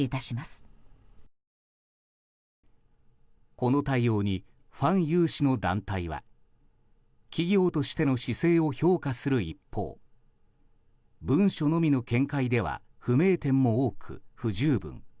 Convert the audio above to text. この対応にファン有志の団体は企業としての姿勢を評価する一方文書のみの見解では不明点も多く不十分。